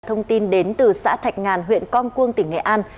thông tin đến từ xã thạch ngàn huyện con cuông tỉnh nghệ an